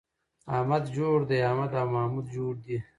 احمد جوړ دی → احمد او محمود جوړ دي